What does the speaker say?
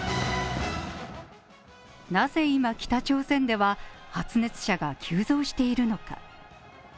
なぜいま北朝鮮では発熱者が急増しているのか。